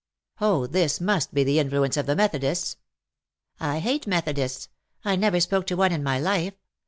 '^ "Oh, this must be the influence of the Methodists.'^ "I hate Methodists ! I never spoke to one in my life.